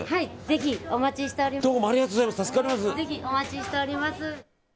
ぜひお待ちしております。